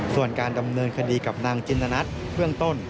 ส่วนการดำเนินคดีกับนางจินตนัทเบื้องต้น